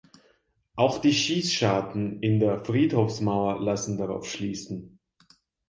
Auch die Schießscharten in der Friedhofsmauer lassen darauf schließen.